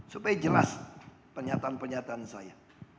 supaya jelas pernyataan pernyataan saya